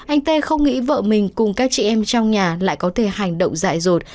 anh tê không nghĩ vợ mình cùng các chị em trong nhà lại có thể hành động dại dột